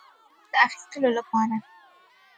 چارو د اخیستلو لپاره.